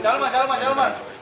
dalman dalman dalman